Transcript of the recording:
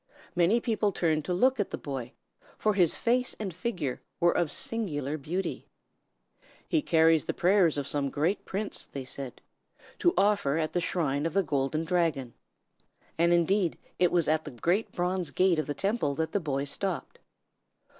Many people turned to look at the boy, for his face and figure were of singular beauty. "He carries the prayers of some great prince," they said, "to offer at the shrine of the Golden Dragon." And, indeed, it was at the great bronze gate of the Temple that the boy stopped.